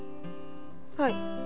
はい。